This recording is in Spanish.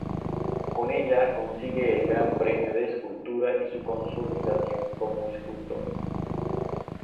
Con ella consigue el Gran Premio de Escultura y su consolidación como escultor.